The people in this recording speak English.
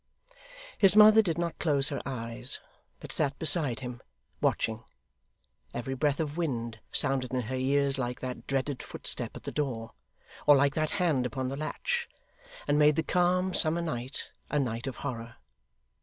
His mother did not close her eyes, but sat beside him, watching. Every breath of wind sounded in her ears like that dreaded footstep at the door, or like that hand upon the latch, and made the calm summer night, a night of horror.